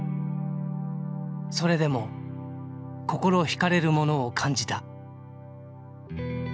それでも心惹かれるものを感じた。